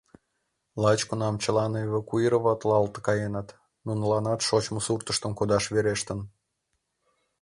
Лач кунам чылан эвакуироватлалт каеныт, нуныланат шочмо суртыштым кодаш верештын.